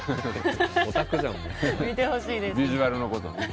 ビジュアルのことね。